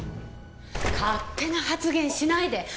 勝手な発言しないで！